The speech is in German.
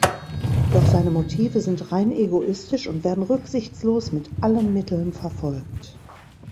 Doch seine Motive sind rein egoistisch und werden rücksichtslos mit allen Mitteln verfolgt.